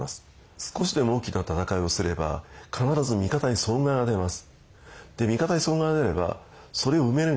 少しでも大きな戦いをすれば必ず味方に損害が出ます。